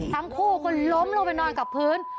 ทั้งคู่ก็ล้มลงไปนอนกับพื้น